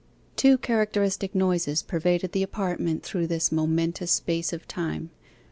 Two characteristic noises pervaded the apartment through this momentous space of time.